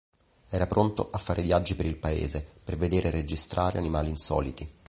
Era pronto a fare viaggi per il paese per vedere e registrare animali insoliti.